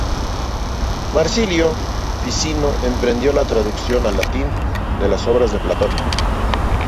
Marsilio Ficino emprendió la traducción al latín de las obras de Platón.